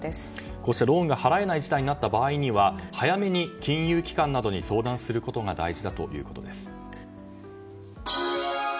こうしたローンが払えない事態になった場合は早めに金融機関などに相談することが大事だということです。